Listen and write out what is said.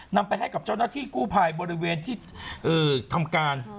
นำไปให้กับเจ้าหน้าที่กู้ภัยบริเวณที่ทำการ